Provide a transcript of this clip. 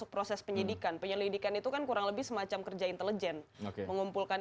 proses penyidikan penyelidikan itu kan kurang lebih semacam kerja intelijen mengumpulkan